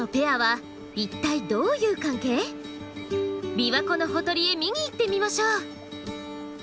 琵琶湖のほとりへ見に行ってみましょう。